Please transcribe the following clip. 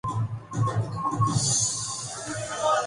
جو کثیر جہتی، متحرک اور سیاق و سباق پر مبنی ہو